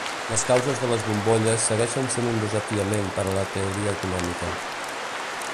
Les causes de les bombolles segueixen sent un desafiament per a la teoria econòmica.